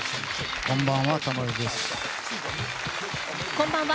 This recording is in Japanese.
こんばんは。